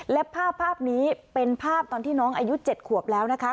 และภาพนี้เป็นภาพตอนที่น้องอายุ๗ขวบแล้วนะคะ